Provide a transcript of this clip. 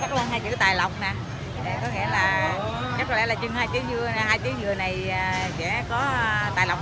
có lẽ hai chữ tài lộc nè có lẽ là chắc lẽ là chưng hai chiếc dưa hai chiếc dưa này sẽ có tài lộc